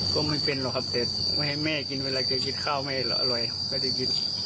ก็ไม่เป็นหรอกครับแต่ไม่ให้แม่กินเวลาแกกินข้าวไม่อร่อยก็จะกิน